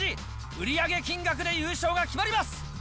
売り上げ金額で優勝が決まります。